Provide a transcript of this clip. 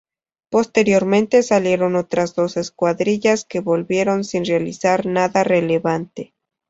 Posteriormente salieron otras dos escuadrillas que volvieron sin realizar nada relevante.